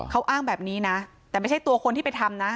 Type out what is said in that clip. เขาอ้างแบบนี้นะแต่ไม่ใช่ตัวคนที่ไปทำนะ